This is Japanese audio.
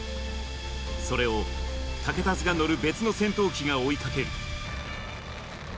それを竹田津が乗る別の戦闘機が追いかける。